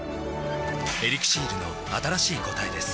「エリクシール」の新しい答えです